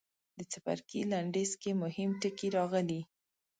د څپرکي لنډیز کې مهم ټکي راغلي.